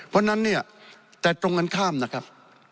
เพราะฉะนั้นเนี่ยแต่ตรงกันข้ามนะครับ